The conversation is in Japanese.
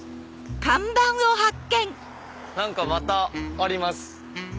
何かまたあります。